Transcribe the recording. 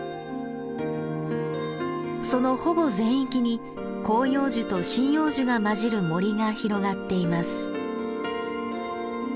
そのほぼ全域に広葉樹と針葉樹が交じる森が広がっています。